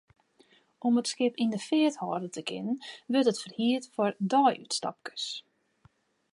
Om it skip yn 'e feart hâlde te kinnen, wurdt it ferhierd foar deiútstapkes.